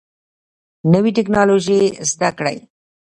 نوي ټکنالوژي زده کړئ